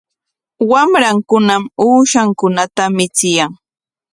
Wamrankunam uushankunata michiyan.